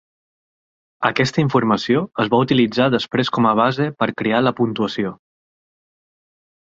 Aquesta informació es va utilitzar després com a base per crear la puntuació.